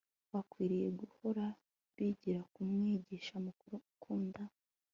bakwiriye guhora bigira ku Mwigisha Mukuru ukunda